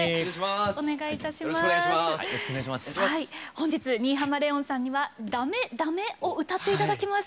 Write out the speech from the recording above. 本日新浜レオンさんには「ダメダメ」を歌って頂きます。